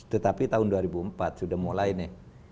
tetapi tahun dua ribu empat sudah mulai nih